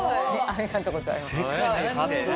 ありがとうございます。